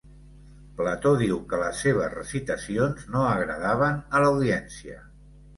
Plató diu que les seves recitacions no agradaven a l'audiència.